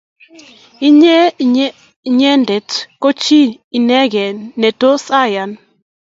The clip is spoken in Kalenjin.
Inye inyendet ko chi ineke ne tos ayan